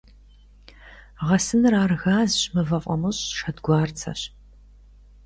Гъэсыныр — ар газщ, мывэ фӀамыщӀщ, шэдгуарцэщ.